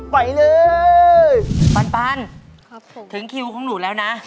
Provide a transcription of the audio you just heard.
ไปเลยปันปันครับผมถึงคิวของหนูแล้วนะ